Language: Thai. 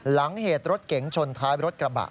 หลังเหตุรถเก๋งชนท้ายรถกระบะ